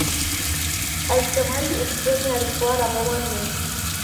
Elle se marie une première fois la même année.